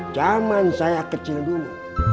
zaman saya kecil dulu